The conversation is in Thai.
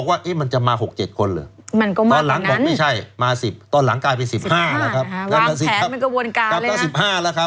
วางแผนมันก็วนกลายเลยนะ